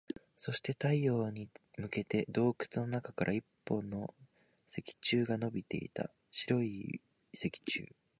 そして、太陽に向けて洞窟の中から一本の石柱が伸びていた。白い石柱。